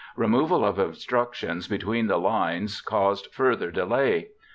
Removal of obstructions between the lines caused further delay.